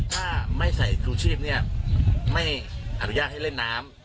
ถ้าไม่ใส่ชูชีพเนี่ยไม่อนุญาตให้เล่นน้ำ